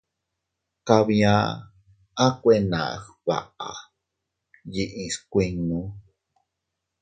Kabia a kuena gbaʼa yiʼi skuinnu.